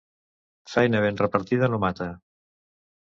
Feina ben repartida no mata.